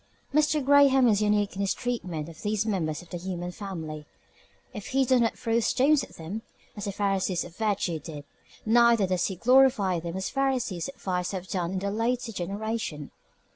Mr. Graham is unique in his treatment of these members of the human family. If he does not throw stones at them, as the Pharisees of virtue did, neither does he glorify them as the Pharisees of vice have done in a later generation.